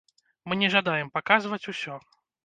Мы не жадаем паказваць усё.